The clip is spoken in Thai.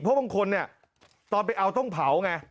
เพราะบางคนเนี่ยตอนไปเอาต้องเผาไง